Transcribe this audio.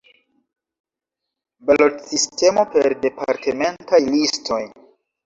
Balotsistemo per departementaj listoj.